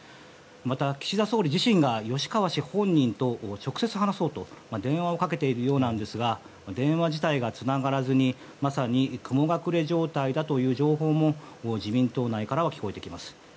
また、岸田総理自身が吉川氏本人と直接話そうと電話をかけているようなんですが電話自体がつながらずにまさに雲隠れ状態だという情報も自民党内からは聞こえてきます。